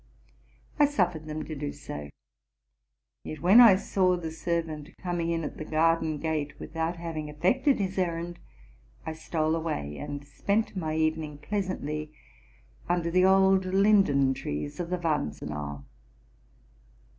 I suffered them to do so; yet when I saw the servant coming in at the garden gate without having effected his errand, I stole away and spent my evening ple: asantly under the old linden trees of the Wanzenau.